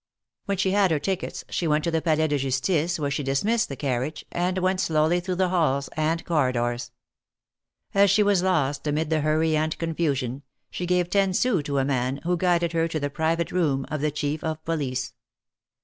When she had her tickets, she went to the Palais de Jus tice, where she dismissed the carriage, and went slowly through the halls and corridors. As she was lost amid the hurry and confusion, she gave ten sous to a man, who guided her to the private room of the Chief of Police.